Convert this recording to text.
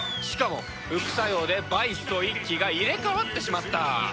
しかも副作用でバイスと一輝が入れ替わってしまった！